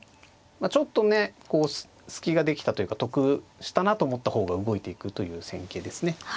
ちょっとね隙ができたというか得したなと思った方が動いていくという戦型ですね。